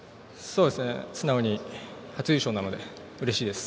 素直に初優勝なのでうれしいです。